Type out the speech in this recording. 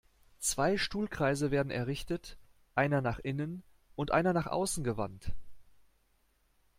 Zwei Stuhlkreise werden errichtet, einer nach innen und einer nach außen gewandt.